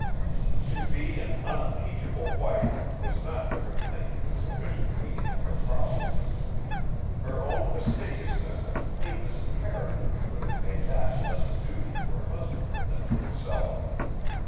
To be an "unimpeachable" wife was not to her thinking a sufficient meeting of her problem. Her own fastidiousness and cleanness of character would have made that less a duty to her husband than to herself.